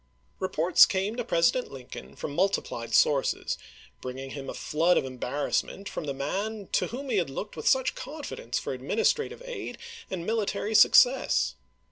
Eeports came to President Lincoln from multi plied sources, bringing him a flood of embarrass ment from the man to whom he had looked with such confidence for administrative aid and military success.